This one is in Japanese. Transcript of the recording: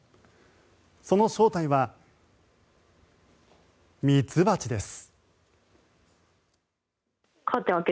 その正体は、ミツバチです。